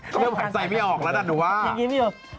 เขาเรียกว่าใส่ไม่ออกแล้วนะหนูว่ายังกินไม่อยู่